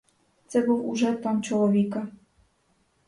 Це був уже тон чоловіка.